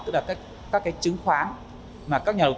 tức là các cái chứng khoán mà các nhà đầu tư